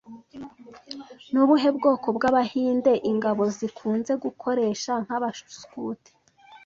Ni ubuhe bwoko bw'Abahinde ingabo zikunze gukoresha nk'abaskuti